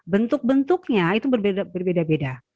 bentuk bentuknya itu berbeda beda